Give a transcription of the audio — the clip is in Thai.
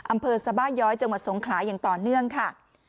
อำเภอสบาย้อยจังหวัดสงขลาอย่างต่อเนื่องค่ะ